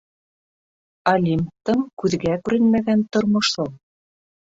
Олимптың күҙгә күренмәгән тормошо!